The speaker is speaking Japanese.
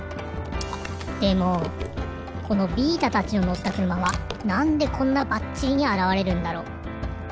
でもこのビータたちののったくるまはなんでこんなバッチリにあらわれるんだろう？